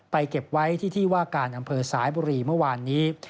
เก็บไว้ที่ที่ว่าการอำเภอสายบุรีเมื่อวานนี้